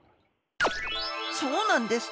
そうなんです！